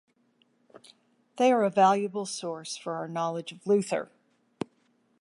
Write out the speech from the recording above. They are a valuable source for our knowledge of Luther.